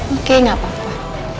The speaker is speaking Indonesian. oke gak apa apa